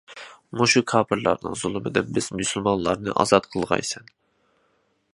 مۇشۇ كاپىرلارنىڭ زۇلمىدىن بىز مۇسۇلمانلارنى ئازاد قىلغايسەن!